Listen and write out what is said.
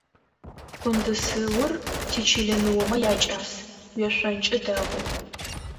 Къундысыур тичылэ ныомэ якӏас, уешъонкӏи дэгъу.